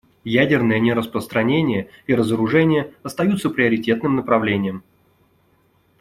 Ядерное нераспространение и разоружение остаются приоритетным направлением.